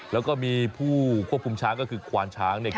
แล้วก็มีผู้ควบคุมช้างก็คือควานช้างเนี่ย